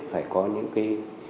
phải có những cái